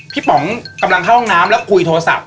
ป๋องกำลังเข้าห้องน้ำแล้วคุยโทรศัพท์